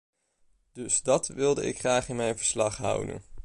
Dus dat wilde ik graag in mijn verslag houden.